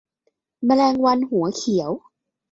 แมลงวันหัวเขียว